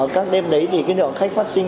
và cái tỉ mệnh này đã phun